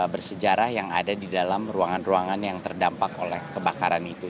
bersejarah yang ada di dalam ruangan ruangan yang terdampak oleh kebakaran itu